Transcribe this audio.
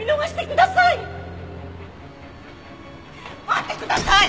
待ってください！